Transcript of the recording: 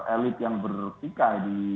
elit yang bersikap di